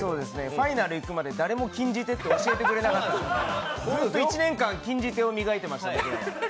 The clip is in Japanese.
ファイナルいくまで、誰も禁じ手と教えてくれなかったんで１年間、禁じ手を磨いてました。